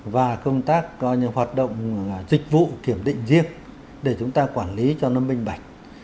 và công tác hoạt động dịch vụ kiểm định riêng để chúng ta quản lý cho nó minh bạch